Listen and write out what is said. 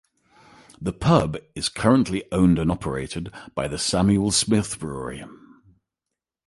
The pub is currently owned and operated by the Samuel Smith Brewery.